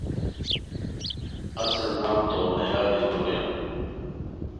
اصل نام تو مہ یادی نو گویان